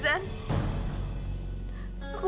zen tadi aku liat liya zen